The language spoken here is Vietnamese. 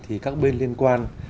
thì các bên liên quan